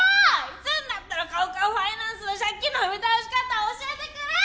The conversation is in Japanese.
いつんなったらカウカウファイナンスの借金の踏み倒し方教えてくれんの！